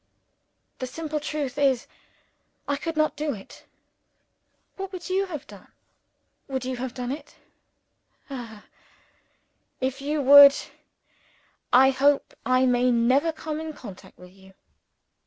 The simple truth is I could not do it. Would you have done it? Ah, if you would, I hope I may never come in contact with you.